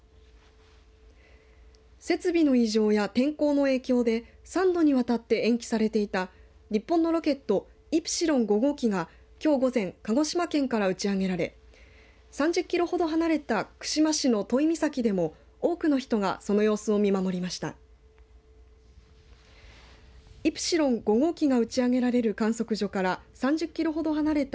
設備の異常や、天候の影響で３度にわたって延期されていた日本のロケットイプシロン５号機がきょう午前鹿児島県から打ち上げられ３０キロほど離れた串間市の都井岬でも多くの人がその様子を見守りました。